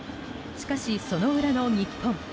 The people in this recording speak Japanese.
しかし、その裏の日本。